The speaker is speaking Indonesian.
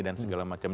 dan segala macam